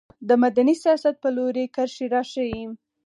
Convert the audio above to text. د مدني سیاست په لوري کرښې راښيي.